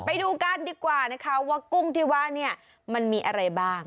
ไปดูกันดีกว่านะคะว่ากุ้งที่ว่าเนี่ยมันมีอะไรบ้าง